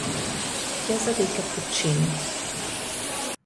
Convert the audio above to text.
Chiesa dei Cappuccini